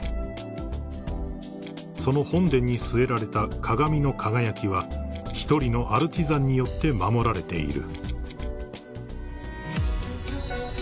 ［その本殿に据えられた鏡の輝きは１人のアルチザンによって守られている］